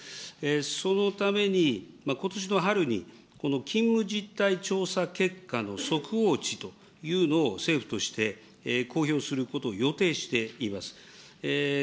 そのためにことしの春に、この勤務実態調査結果の速報値というのを政府として公表することを予定しています。